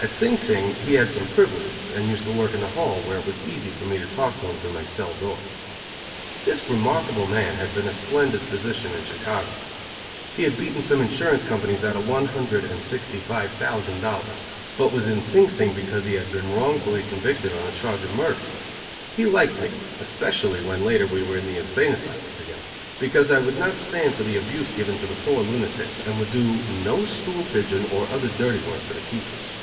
At Sing Sing he had some privileges, and used to work in the hall, where it was easy for me to talk to him through my cell door. This remarkable man, had been a splendid physician in Chicago. He had beaten some insurance companies out of one hundred and sixty five thousand dollars, but was in Sing Sing because he had been wrongfully convicted on a charge of murder. He liked me, especially when later we were in the insane asylum together, because I would not stand for the abuse given to the poor lunatics, and would do no stool pigeon or other dirty work for the keepers.